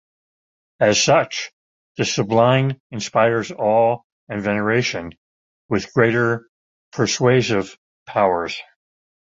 As such, the sublime inspires awe and veneration, with greater persuasive powers.